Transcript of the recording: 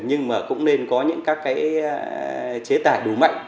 nhưng mà cũng nên có những các cái chế tải đủ mạnh